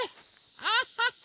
アハッハ！